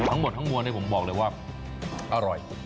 ทั้งหมดทั้งมวลผมบอกเลยว่าอร่อย